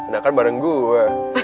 nah kan bareng gue